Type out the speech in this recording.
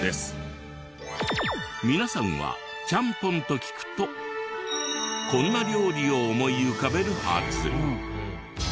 皆さんはちゃんぽんと聞くとこんな料理を思い浮かべるはず。